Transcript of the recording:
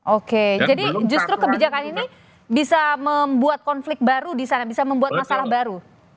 oke jadi justru kebijakan ini bisa membuat konflik baru di sana bisa membuat masalah baru